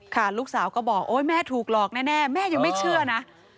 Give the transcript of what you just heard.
ลูกสาวก็บอกโอ๊ยแม่ถูกหลอกแน่แม่ยังไม่เชื่อนะ